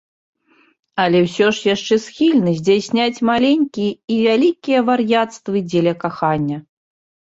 Але ўсё яшчэ схільны здзяйсняць маленькія і вялікія вар'яцтвы дзеля кахання.